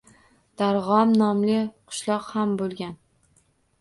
Darg‘om nomli qishloq ham bo‘lgan.